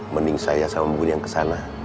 mending saya sama bu bun yang kesana